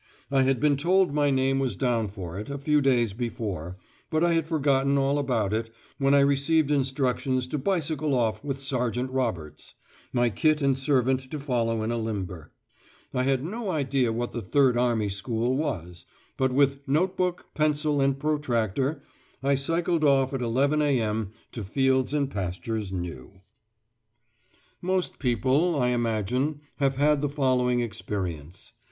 I had been told my name was down for it, a few days before, but I had forgotten all about it, when I received instructions to bicycle off with Sergeant Roberts; my kit and servant to follow in a limber. I had no idea what the "Third Army School" was, but with "note book, pencil, and protractor" I cycled off at 11.0 a.m. "to fields and pastures new." Most people, I imagine, have had the following experience.